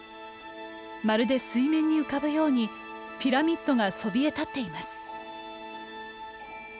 まるで水面に浮かぶようにピラミッドがそびえたっています。